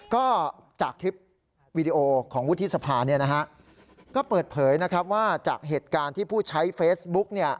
ก็จากคลิปวีดีโอของวุฒิสภาก็เปิดเผยนะครับว่าจากเหตุการณ์ที่ผู้ใช้เฟซบุ๊ก